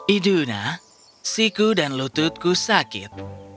iduna siku dan lututku sakit